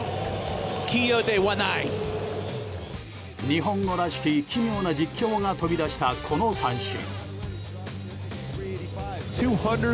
日本語らしき奇妙な実況が飛び出した、この三振。